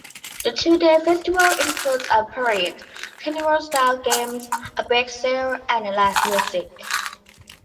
The two-day festival includes a parade, carnival-style games, a bake sale, and live music.